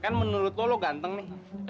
kan menurut lo ganteng nih